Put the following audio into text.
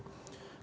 kemudian di sana